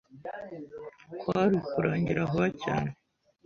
kwari kurangira vuba cyane